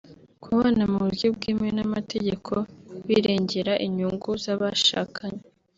Kubana mu buryo bwemewe n’amategeko birengera inyungu z’abashakanye